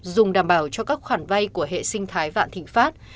dùng đảm bảo cho các khoản vay của hệ sinh thái vạn thịnh pháp